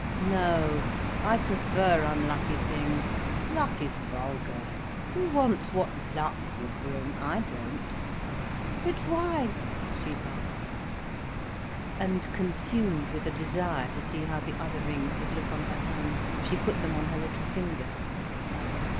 "No. I prefer unlucky things. Luck is vulgar. Who wants what luck would bring? I don't." "But why?" she laughed. And, consumed with a desire to see how the other rings would look on her hand, she put them on her little finger.